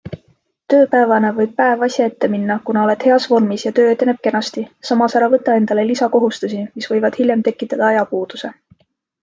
Tööpäevana võib päev asja ette minna, kuna oled heas vormis ja töö edeneb kenasti, samas ära võta endale lisakohustusi, mis võivad hiljem tekitada ajapuuduse.